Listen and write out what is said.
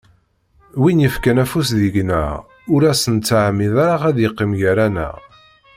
Win yefkan afus deg-neɣ ur as-nettɛemmid ara ad yeqqim gar-aneɣ.